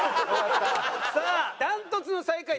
さあ断トツの最下位。